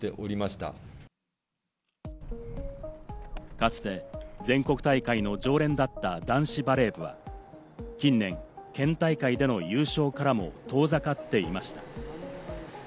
かつて全国大会の常連だった男子バレー部は、近年、県大会での優勝からも遠ざかっていました。